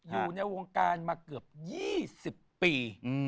อยู่ในวงการมาเกือบ๒๐ปี